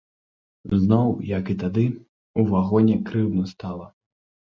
Зноў, як і тады, у вагоне, крыўдна стала.